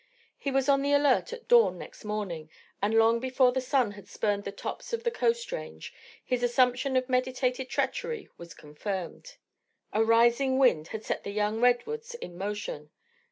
He was on the alert at dawn next morning, and long before the sun had spurned the tops of the Coast range, his assumption of meditated treachery was confirmed. A rising wind had set the young redwoods in motion.